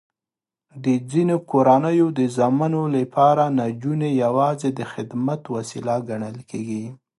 د ځینو کورنیو د زامنو لپاره نجونې یواځې د خدمت وسیله ګڼل کېږي.